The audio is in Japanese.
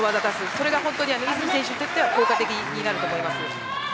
それが泉選手にとっては効果的になると思います。